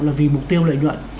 là vì mục tiêu lợi nhuận